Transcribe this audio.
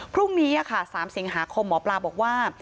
พรุ่งนี้๓สิงหาคมหมอปลาบอกว่า